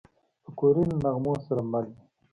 پکورې له نغمو سره مل وي